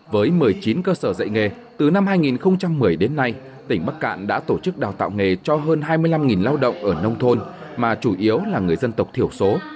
với một mươi chín cơ sở dạy nghề từ năm hai nghìn một mươi đến nay tỉnh bắc cạn đã tổ chức đào tạo nghề cho hơn hai mươi năm lao động ở nông thôn mà chủ yếu là người dân tộc thiểu số